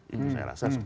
itu saya rasa